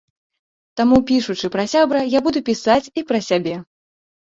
Таму, пішучы пра сябра, я буду пісаць і пра сябе.